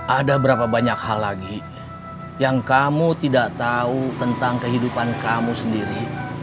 ada berapa banyak hal lagi yang kamu tidak tahu tentang kehidupan kamu sendiri